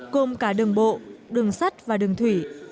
gồm cả đường bộ đường sắt và đường thủy